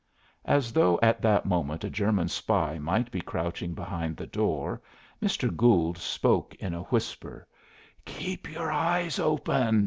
As though at that moment a German spy might be crouching behind the door, Mr. Gould spoke in a whisper. "Keep your eyes open!"